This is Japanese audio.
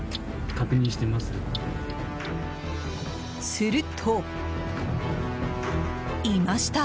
すると、いました。